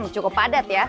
cukup padat ya